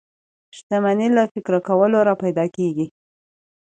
شتمني له فکر کولو را پيدا کېږي.